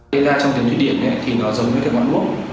để ra trong cái nguyên điểm ấy thì nó giống như cái ngọn đúc